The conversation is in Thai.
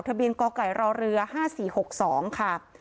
ทะเบียนกไก่รอเรือ๕๔๖๒ค่ะ